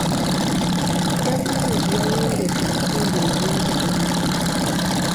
Gavumenti yayongedde ensimbi mu byenjigiriza.